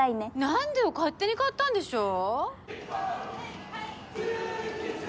なんでよ勝手に買ったんでしょ！？